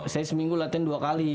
saya seminggu latihan dua kali